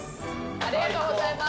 ありがとうございます。